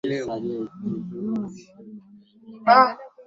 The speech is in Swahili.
Kaa nami bwana